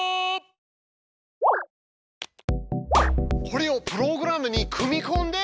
これをプログラムに組み込んで。